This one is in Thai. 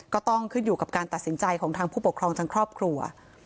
ก็ต้องขึ้นอยู่กับการตัดสินใจของทางผู้ปกครองทางครอบครัว